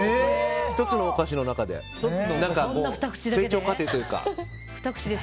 １つのお菓子の中で成長過程というか。